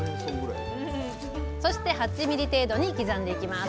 そして８ミリ程度に刻んでいきます